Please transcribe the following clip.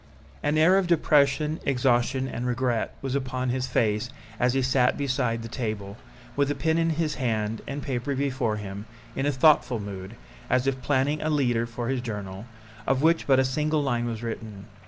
An air of depression, exhaustion and regret was upon his face as he sat beside the table, with a pen in his hand and paper before him, in a thoughtful mood, as if planning a leader for his journal, of which but a single line was written.